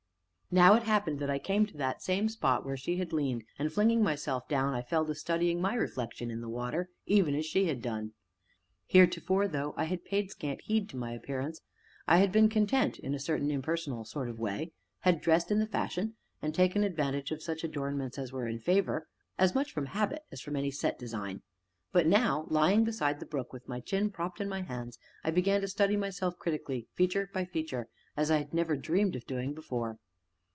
Now it happened that I came to that same spot where she had leaned and, flinging myself down, I fell to studying my reflection in the water, even as she had done. Heretofore, though I had paid scant heed to my appearance, I had been content (in a certain impersonal sort of way), had dressed in the fashion, and taken advantage of such adornments as were in favor, as much from habit as from any set design; but now, lying beside the brook with my chin propped in my hands, I began to study myself critically, feature by feature, as I had never dreamed of doing before.